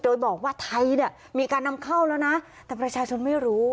โดยบอกว่าไทยเนี่ยมีการนำเข้าแล้วนะแต่ประชาชนไม่รู้